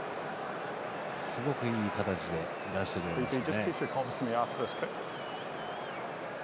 すごくいい形で出していましたね。